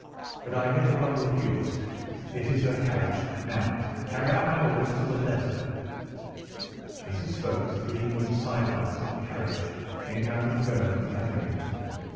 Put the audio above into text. But I hear the rumble of wheels. It is her carriage. Now carry out my orders to the letter." As he spoke the gleam of the sidelights of a carriage came round the curve of the avenue.